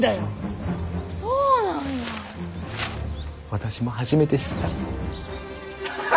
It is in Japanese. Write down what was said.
私も初めて知った。